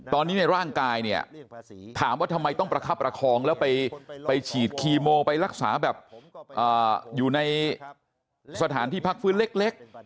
ตอนนี้ในร่างกายเนี่ยถามว่าทำไมต้องประคับประคองแล้วไปฉีดคีโมไปรักษาแบบอยู่ในสถานที่พักฟื้นเล็ก